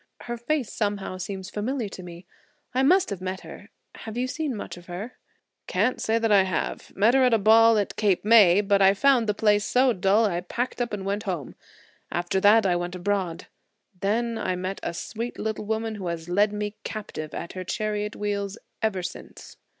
Her face somehow seems familiar to me. I must have met her. Have you seen much of her?" "Can't say that I have. Met her at a ball at Cape May. But I found the place so dull I packed up and went home. After that I went abroad. Then I met a sweet little woman who has led me captive at her chariot wheels ever since."